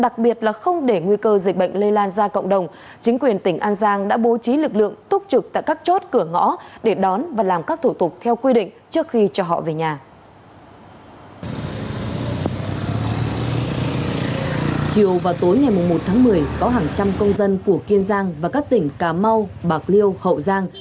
chiều và tối ngày một tháng một mươi có hàng trăm công dân của kiên giang và các tỉnh cà mau bạc liêu hậu giang